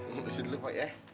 ngomong kesini dulu pak ya